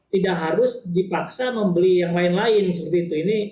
tidak harus dipaksa membeli yang lain lain seperti itu